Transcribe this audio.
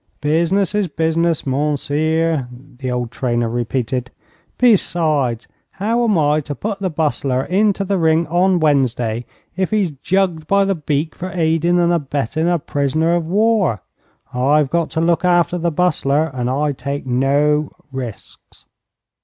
'Business is business, mounseer,' the old trainer repeated. 'Besides, how am I to put the Bustler into the ring on Wednesday if he's jugged by the beak for aidin' and abettin' a prisoner of war? I've got to look after the Bustler, and I take no risks.'